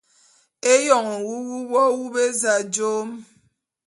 Éyoň nwuwup w’awup éza jom.